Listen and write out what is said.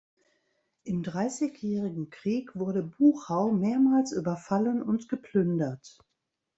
Im Dreißigjährigen Krieg wurde Buchau mehrmals überfallen und geplündert.